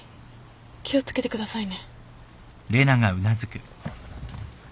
気を付けてくださいね。